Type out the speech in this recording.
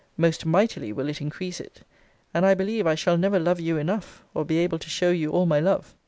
most mightily will it increase it! and I believe I shall never love you enough, or be able to show you all my love.